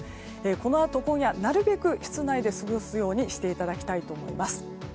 このあと今夜、なるべく室内で過ごすようにしていただきたいと思います。